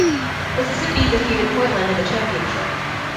Mississippi defeated Portland in the Championship.